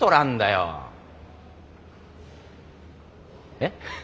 えっ？